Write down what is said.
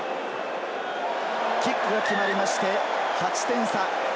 キックが決まりまして８点差。